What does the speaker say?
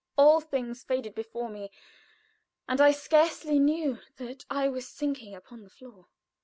All things faded before me, and I scarcely knew that I was sinking upon the floor.